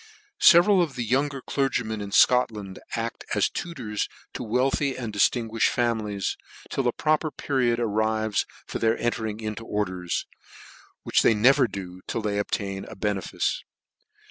Several of the younger clergymen in Scotland aft as tutors to wealthy and diftinguimed families, till a proper period arrives for their entering into orders, which they never do till they obtain a benefice.